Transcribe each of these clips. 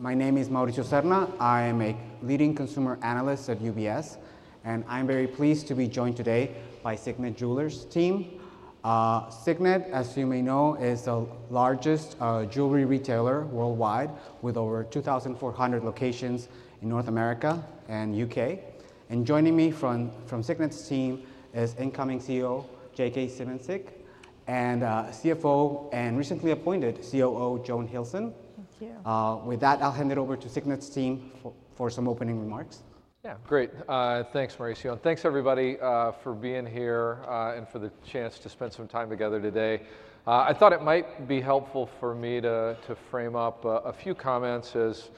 My name is Mauricio Serna. I am a leading consumer analyst at UBS, and I'm very pleased to be joined today by Signet Jewelers' team. Signet, as you may know, is the largest jewelry retailer worldwide, with over 2,400 locations in North America and the U.K., and joining me from Signet's team is incoming CEO J.K. Symancyk and CFO and recently appointed COO Joan Hilson. Thank you. With that, I'll hand it over to Signet's team for some opening remarks. Yeah, great. Thanks, Mauricio. And thanks, everybody, for being here and for the chance to spend some time together today. I thought it might be helpful for me to frame up a few comments as,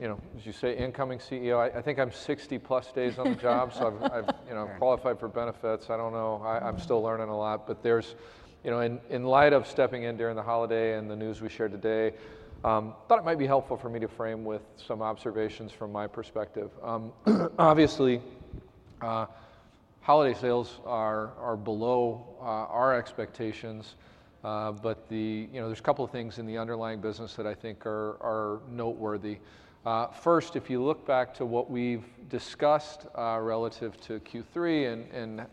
you know, as you say, incoming CEO. I think I'm 60+ days on the job, so I've qualified for benefits. I don't know. I'm still learning a lot. But in light of stepping in during the holiday and the news we shared today, I thought it might be helpful for me to frame with some observations from my perspective. Obviously, holiday sales are below our expectations, but there's a couple of things in the underlying business that I think are noteworthy. First, if you look back to what we've discussed relative to Q3 and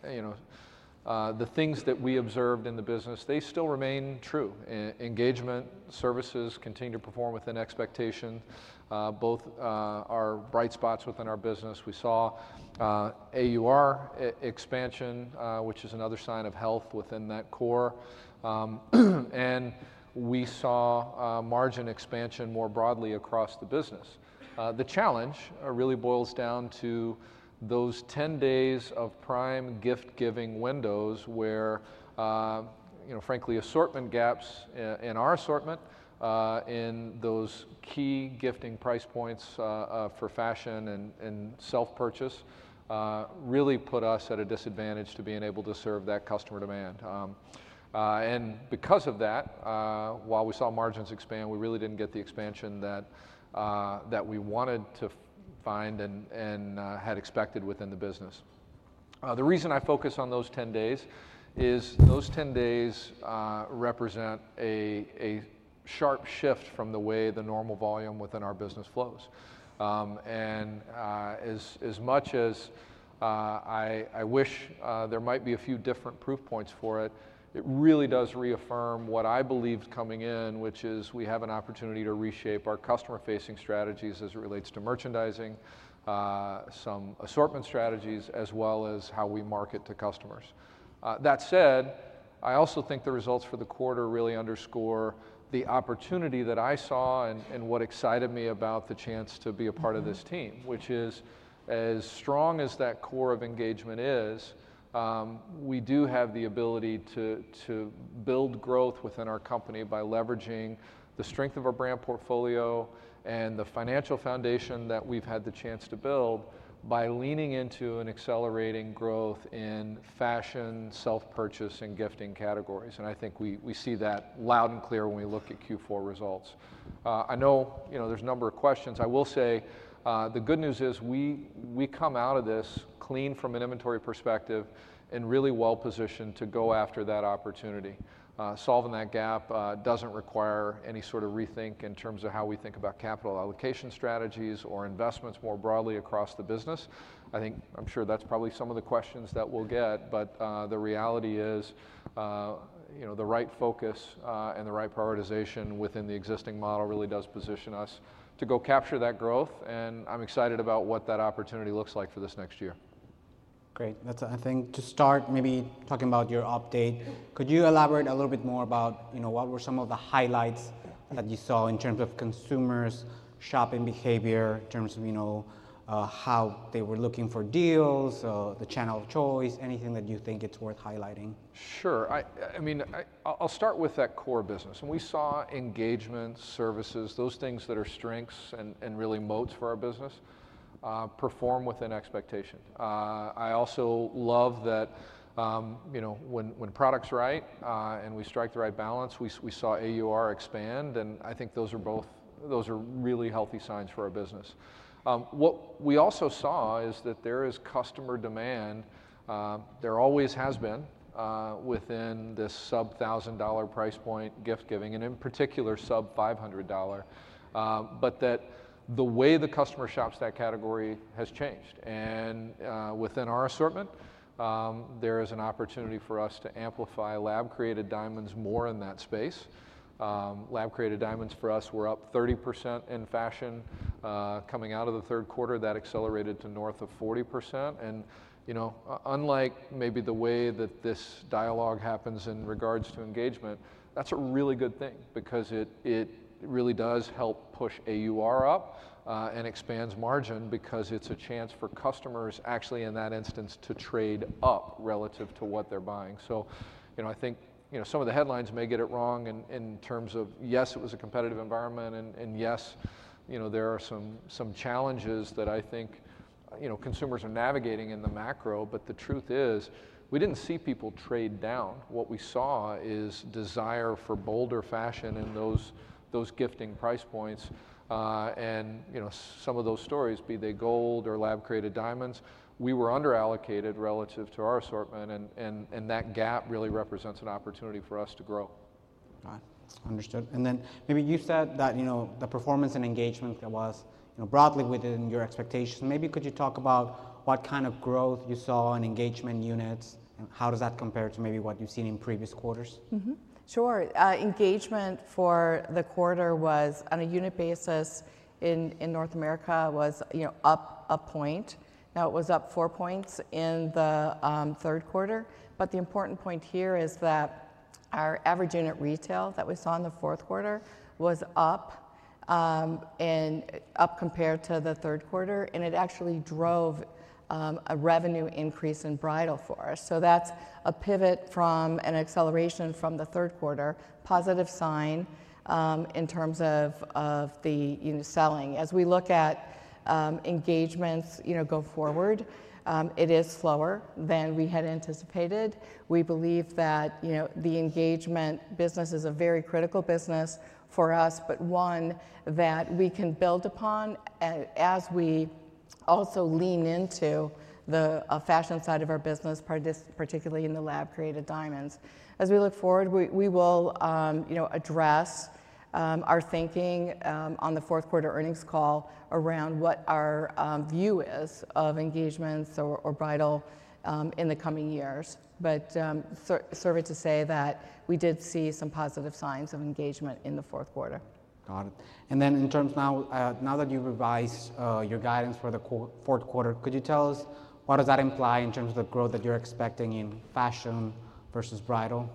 the things that we observed in the business, they still remain true. Engagement, services continue to perform within expectation. Both are bright spots within our business. We saw AUR expansion, which is another sign of health within that core. And we saw margin expansion more broadly across the business. The challenge really boils down to those 10 days of prime gift-giving windows where, frankly, assortment gaps in our assortment in those key gifting price points for fashion and self-purchase really put us at a disadvantage to being able to serve that customer demand. And because of that, while we saw margins expand, we really didn't get the expansion that we wanted to find and had expected within the business. The reason I focus on those 10 days is those 10 days represent a sharp shift from the way the normal volume within our business flows. And as much as I wish there might be a few different proof points for it, it really does reaffirm what I believed coming in, which is we have an opportunity to reshape our customer-facing strategies as it relates to merchandising, some assortment strategies, as well as how we market to customers. That said, I also think the results for the quarter really underscore the opportunity that I saw and what excited me about the chance to be a part of this team, which is, as strong as that core of engagement is, we do have the ability to build growth within our company by leveraging the strength of our brand portfolio and the financial foundation that we've had the chance to build by leaning into an accelerating growth in fashion, self-purchase, and gifting categories. And I think we see that loud and clear when we look at Q4 results. I know there's a number of questions. I will say the good news is we come out of this clean from an inventory perspective and really well-positioned to go after that opportunity. Solving that gap doesn't require any sort of rethink in terms of how we think about capital allocation strategies or investments more broadly across the business. I'm sure that's probably some of the questions that we'll get. But the reality is the right focus and the right prioritization within the existing model really does position us to go capture that growth. And I'm excited about what that opportunity looks like for this next year. Great. I think to start, maybe talking about your update, could you elaborate a little bit more about what were some of the highlights that you saw in terms of consumers' shopping behavior, in terms of how they were looking for deals, the channel of choice, anything that you think it's worth highlighting? Sure. I mean, I'll start with that core business. And we saw engagement, services, those things that are strengths and really moats for our business, perform within expectation. I also love that when product's right and we strike the right balance, we saw AUR expand. And I think those are really healthy signs for our business. What we also saw is that there is customer demand. There always has been within this sub-$1,000 price point gift-giving, and in particular, sub-$500, but that the way the customer shops that category has changed. And within our assortment, there is an opportunity for us to amplify lab-created diamonds more in that space. Lab-created diamonds for us were up 30% in fashion coming out of the third quarter. That accelerated to north of 40%. Unlike maybe the way that this dialogue happens in regards to engagement, that's a really good thing because it really does help push AUR up and expands margin because it's a chance for customers, actually, in that instance, to trade up relative to what they're buying. I think some of the headlines may get it wrong in terms of, yes, it was a competitive environment, and yes, there are some challenges that I think consumers are navigating in the macro. The truth is we didn't see people trade down. What we saw is desire for bolder fashion in those gifting price points. Some of those stories, be they gold or lab-created diamonds, we were underallocated relative to our assortment. That gap really represents an opportunity for us to grow. All right. Understood, and then maybe you said that the performance and engagement was broadly within your expectations. Maybe could you talk about what kind of growth you saw in engagement units, and how does that compare to maybe what you've seen in previous quarters? Sure. Engagement for the quarter was, on a unit basis in North America, up a point. Now, it was up four points in the third quarter. But the important point here is that our average unit retail that we saw in the fourth quarter was up, and up compared to the third quarter. And it actually drove a revenue increase in bridal for us. So that's a pivot from an acceleration from the third quarter, positive sign in terms of the selling. As we look at engagements go forward, it is slower than we had anticipated. We believe that the engagement business is a very critical business for us, but one that we can build upon as we also lean into the fashion side of our business, particularly in the lab-created diamonds. As we look forward, we will address our thinking on the fourth quarter earnings call around what our view is of engagements or bridal in the coming years, but it's sort of to say that we did see some positive signs of engagement in the fourth quarter. Got it. And then in terms now that you've revised your guidance for the fourth quarter, could you tell us what does that imply in terms of the growth that you're expecting in fashion versus bridal?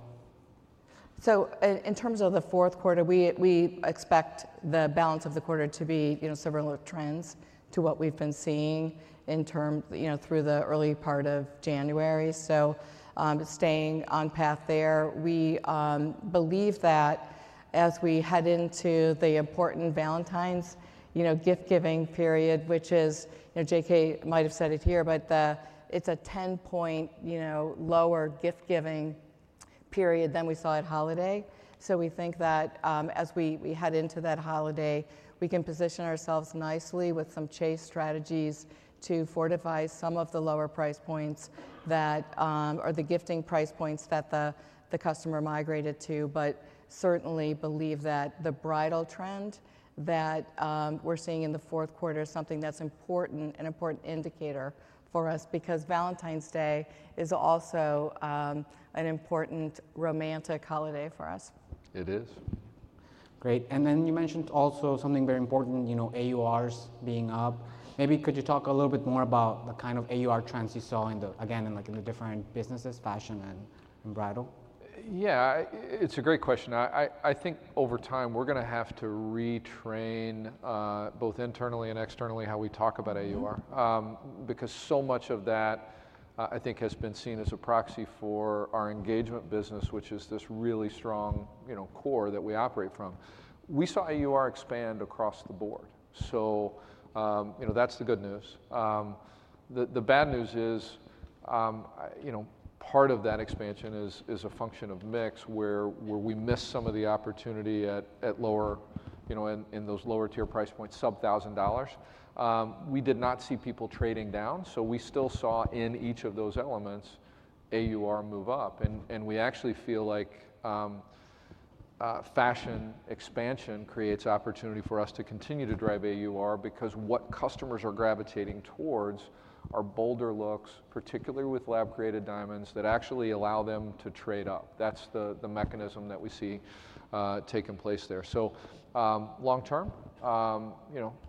So in terms of the fourth quarter, we expect the balance of the quarter to be similar trends to what we've been seeing through the early part of January. So staying on path there, we believe that as we head into the important Valentine's gift-giving period, which is, J.K. might have said it here, but it's a 10-point lower gift-giving period than we saw at holiday. So we think that as we head into that holiday, we can position ourselves nicely with some chase strategies to fortify some of the lower price points that are the gifting price points that the customer migrated to. But certainly believe that the bridal trend that we're seeing in the fourth quarter is something that's important, an important indicator for us because Valentine's Day is also an important romantic holiday for us. It is. Great. And then you mentioned also something very important, AURs being up. Maybe could you talk a little bit more about the kind of AUR trends you saw, again, in the different businesses, fashion and bridal? Yeah. It's a great question. I think over time, we're going to have to retrain both internally and externally how we talk about AUR because so much of that, I think, has been seen as a proxy for our engagement business, which is this really strong core that we operate from. We saw AUR expand across the board, so that's the good news. The bad news is part of that expansion is a function of mix where we missed some of the opportunity at lower in those lower-tier price points, sub-$1,000. We did not see people trading down, so we still saw in each of those elements AUR move up, and we actually feel like fashion expansion creates opportunity for us to continue to drive AUR because what customers are gravitating towards are bolder looks, particularly with lab-created diamonds that actually allow them to trade up. That's the mechanism that we see taking place there. So long-term,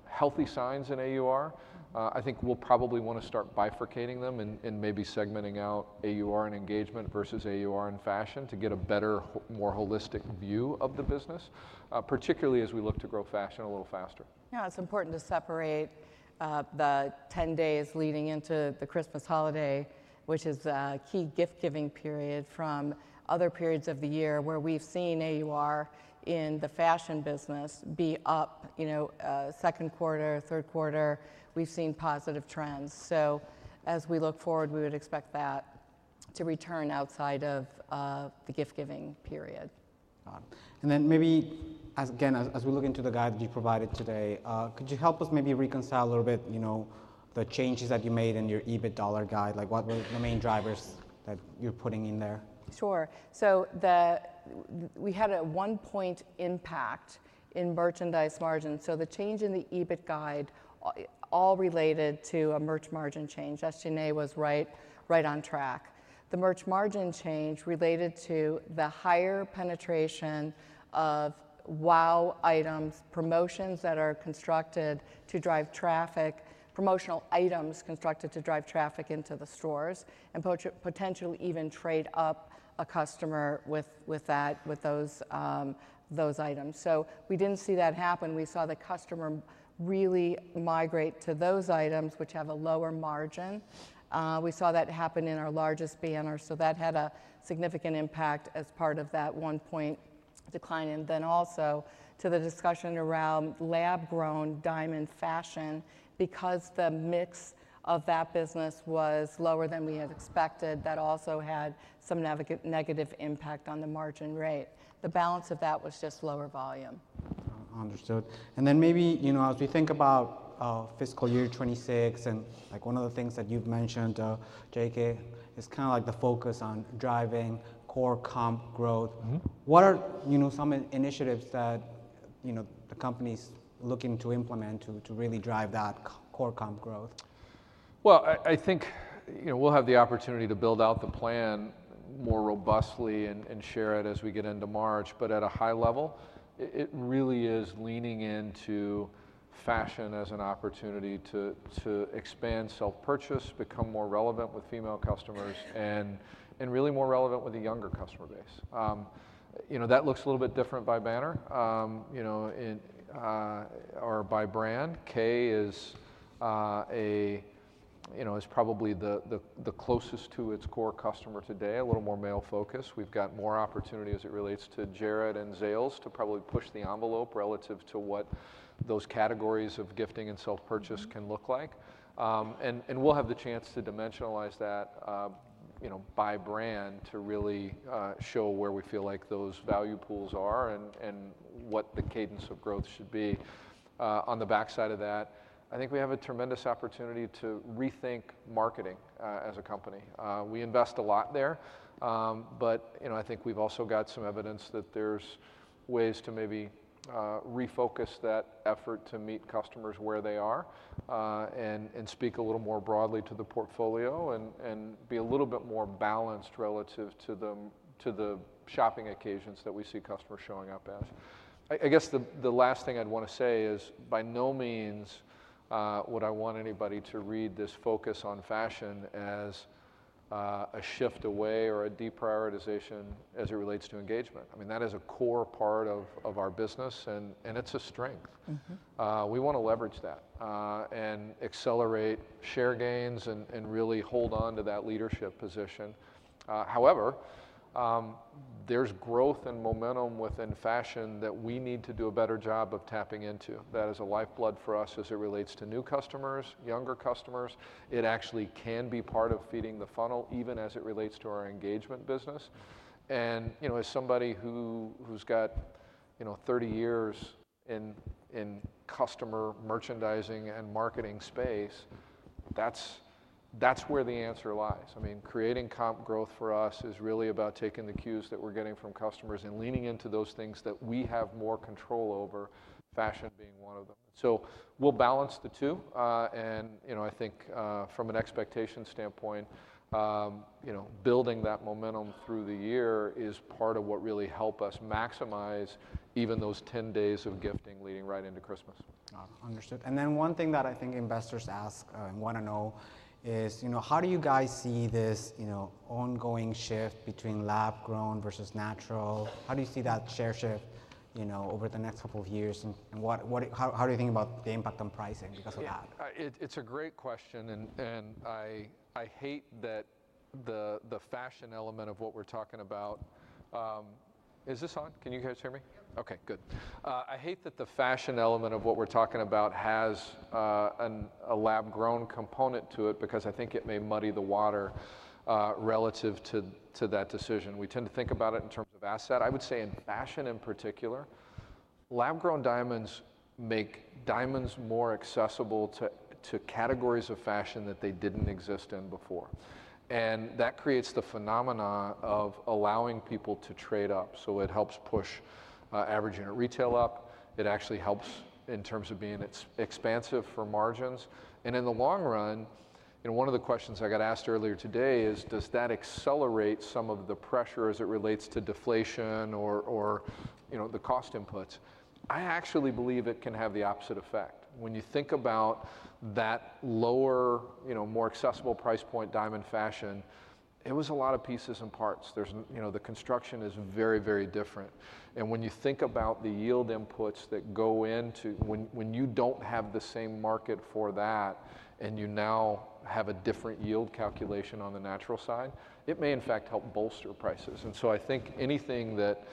healthy signs in AUR. I think we'll probably want to start bifurcating them and maybe segmenting out AUR and engagement versus AUR and fashion to get a better, more holistic view of the business, particularly as we look to grow fashion a little faster. Yeah. It's important to separate the 10 days leading into the Christmas holiday, which is a key gift-giving period, from other periods of the year where we've seen AUR in the fashion business be up second quarter, third quarter. We've seen positive trends. So as we look forward, we would expect that to return outside of the gift-giving period. Got it. And then maybe, again, as we look into the guide that you provided today, could you help us maybe reconcile a little bit the changes that you made in your EBIT dollar guide? What were the main drivers that you're putting in there? Sure, so we had a one-point impact in merchandise margin. The change in the EBIT guide all related to a merch margin change. SG&A was right on track. The merch margin change related to the higher penetration of wow items, promotions that are constructed to drive traffic, promotional items constructed to drive traffic into the stores and potentially even trade up a customer with those items. We didn't see that happen. We saw the customer really migrate to those items which have a lower margin. We saw that happen in our largest banner. That had a significant impact as part of that one-point decline, and then also to the discussion around lab-grown diamond fashion because the mix of that business was lower than we had expected, that also had some negative impact on the margin rate. The balance of that was just lower volume. Understood. And then maybe as we think about fiscal year 2026 and one of the things that you've mentioned, J.K., is kind of like the focus on driving core comp growth. What are some initiatives that the company's looking to implement to really drive that core comp growth? I think we'll have the opportunity to build out the plan more robustly and share it as we get into March. But at a high level, it really is leaning into fashion as an opportunity to expand self-purchase, become more relevant with female customers, and really more relevant with a younger customer base. That looks a little bit different by banner or by brand. Kay is probably the closest to its core customer today, a little more male-focused. We've got more opportunity as it relates to Jared and Zales to probably push the envelope relative to what those categories of gifting and self-purchase can look like. We'll have the chance to dimensionalize that by brand to really show where we feel like those value pools are and what the cadence of growth should be. On the backside of that, I think we have a tremendous opportunity to rethink marketing as a company. We invest a lot there. But I think we've also got some evidence that there's ways to maybe refocus that effort to meet customers where they are and speak a little more broadly to the portfolio and be a little bit more balanced relative to the shopping occasions that we see customers showing up as. I guess the last thing I'd want to say is by no means would I want anybody to read this focus on fashion as a shift away or a deprioritization as it relates to engagement. I mean, that is a core part of our business, and it's a strength. We want to leverage that and accelerate share gains and really hold on to that leadership position. However, there's growth and momentum within fashion that we need to do a better job of tapping into. That is a lifeblood for us as it relates to new customers, younger customers. It actually can be part of feeding the funnel even as it relates to our engagement business. And as somebody who's got 30 years in customer merchandising and marketing space, that's where the answer lies. I mean, creating comp growth for us is really about taking the cues that we're getting from customers and leaning into those things that we have more control over, fashion being one of them. So we'll balance the two. And I think from an expectation standpoint, building that momentum through the year is part of what really helps us maximize even those 10 days of gifting leading right into Christmas. Got it. Understood. And then one thing that I think investors ask and want to know is how do you guys see this ongoing shift between lab-grown versus natural? How do you see that share shift over the next couple of years? And how do you think about the impact on pricing because of that? It's a great question. And I hate that the fashion element of what we're talking about is this on? Can you guys hear me? Yep. Okay. Good. I hate that the fashion element of what we're talking about has a lab-grown component to it because I think it may muddy the water relative to that decision. We tend to think about it in terms of asset. I would say in fashion in particular, lab-grown diamonds make diamonds more accessible to categories of fashion that they didn't exist in before. And that creates the phenomenon of allowing people to trade up. So it helps push average unit retail up. It actually helps in terms of being expansive for margins. And in the long run, one of the questions I got asked earlier today is, does that accelerate some of the pressure as it relates to deflation or the cost inputs? I actually believe it can have the opposite effect. When you think about that lower, more accessible price point diamond fashion, it was a lot of pieces and parts. The construction is very, very different. And when you think about the yield inputs that go into when you don't have the same market for that and you now have a different yield calculation on the natural side, it may in fact help bolster prices. And so I think anything that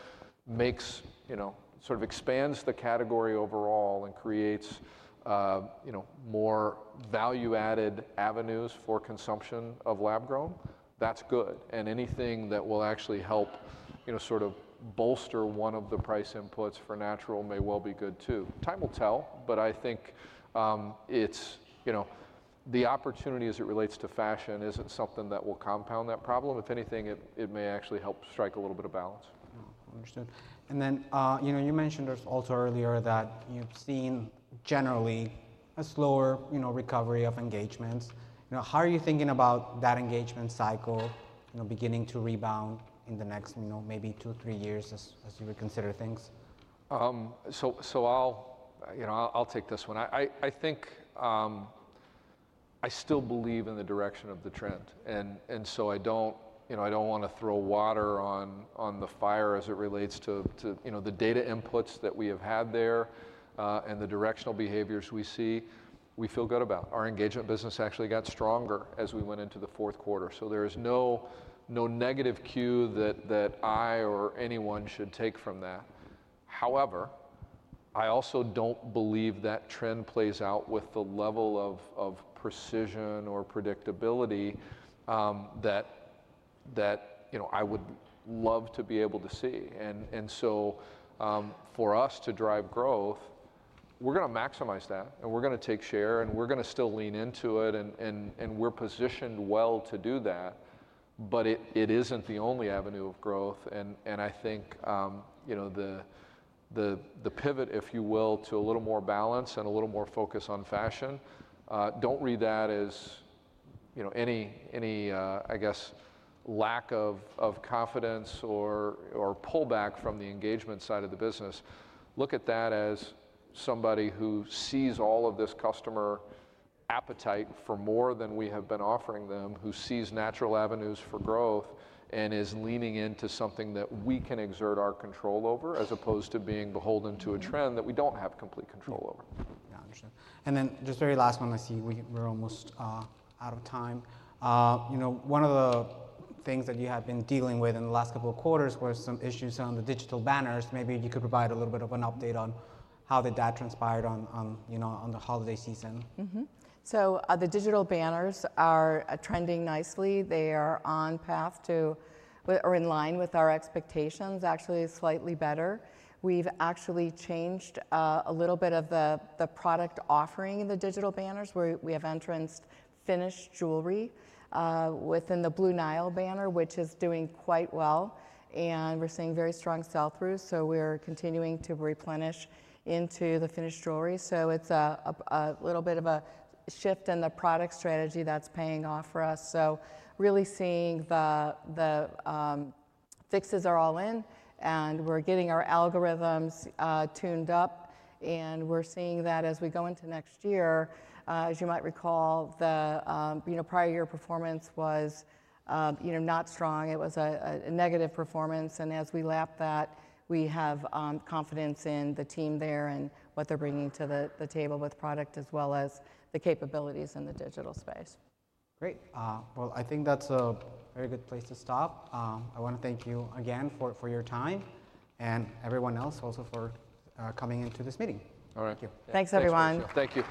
sort of expands the category overall and creates more value-added avenues for consumption of lab-grown, that's good. And anything that will actually help sort of bolster one of the price inputs for natural may well be good too. Time will tell, but I think the opportunity as it relates to fashion isn't something that will compound that problem. If anything, it may actually help strike a little bit of balance. Understood. And then you mentioned also earlier that you've seen generally a slower recovery of engagements. How are you thinking about that engagement cycle beginning to rebound in the next maybe two, three years as you reconsider things? So I'll take this one. I think I still believe in the direction of the trend. And so I don't want to throw water on the fire as it relates to the data inputs that we have had there and the directional behaviors we see. We feel good about. Our engagement business actually got stronger as we went into the fourth quarter. So there is no negative cue that I or anyone should take from that. However, I also don't believe that trend plays out with the level of precision or predictability that I would love to be able to see. And so for us to drive growth, we're going to maximize that, and we're going to take share, and we're going to still lean into it. And we're positioned well to do that. But it isn't the only avenue of growth. And I think the pivot, if you will, to a little more balance and a little more focus on fashion. Don't read that as any, I guess, lack of confidence or pullback from the engagement side of the business. Look at that as somebody who sees all of this customer appetite for more than we have been offering them, who sees natural avenues for growth and is leaning into something that we can exert our control over as opposed to being beholden to a trend that we don't have complete control over. Yeah. Understood. And then just very last one, I see we're almost out of time. One of the things that you have been dealing with in the last couple of quarters were some issues on the digital banners. Maybe you could provide a little bit of an update on how did that transpired on the holiday season? So the digital banners are trending nicely. They are on path to or in line with our expectations, actually slightly better. We've actually changed a little bit of the product offering in the digital banners. We have introduced finished jewelry within the Blue Nile banner, which is doing quite well. And we're seeing very strong sell-throughs. So we're continuing to replenish into the finished jewelry. So it's a little bit of a shift in the product strategy that's paying off for us. So really seeing the fixes are all in, and we're getting our algorithms tuned up. And we're seeing that as we go into next year, as you might recall, the prior year performance was not strong. It was a negative performance. As we lap that, we have confidence in the team there and what they're bringing to the table with product as well as the capabilities in the digital space. Great. Well, I think that's a very good place to stop. I want to thank you again for your time and everyone else also for coming into this meeting. All right. Thanks, everyone. Thank you.